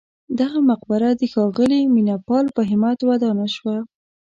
دغه مقبره د ښاغلي مینه پال په همت ودانه شوه.